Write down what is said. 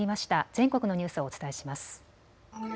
全国のニュースをお伝えします。